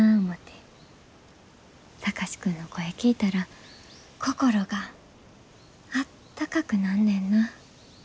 貴司君の声聞いたら心があったかくなんねんな。